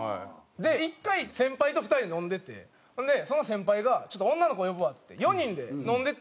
１回先輩と２人で飲んでてほんでその先輩が「ちょっと女の子呼ぶわ」っつって４人で飲んでて。